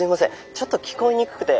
ちょっと聞こえにくくて。